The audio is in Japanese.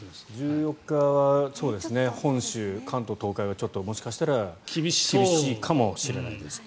１４日は本州、関東、東海はもしかしたら厳しいかもしれないですね。